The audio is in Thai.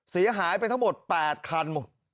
เสียหายไปทั้งหมด๘คัน